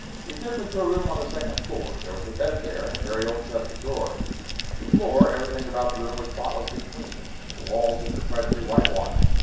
He took me to a room on the second floor. There was a bed there and a very old chest of drawers. The floor, everything about the room was spotlessly clean. The walls had been freshly whitewashed.